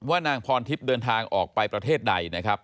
นางพรทิพย์เดินทางออกไปประเทศใดนะครับ